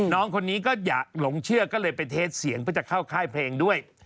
น้องคนนี้ก็อย่าหลงเชื่อก็เลยไปเทสเสียงเพื่อจะเข้าค่ายเพลงด้วย